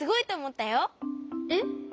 えっ？